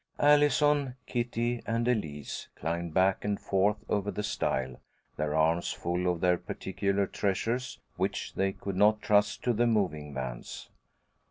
Allison, Kitty, and Elise climbed back and forth over the stile, their arms full of their particular treasures, which they could not trust to the moving vans.